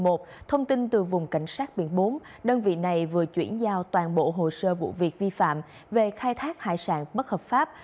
cài trợ rắc rối vụ việc vi phạm của biển bốn đơn vị này vừa chuyển giao toàn bộ hồ sơ vụ việc vi phạm về khai thác hải sản bất hợp pháp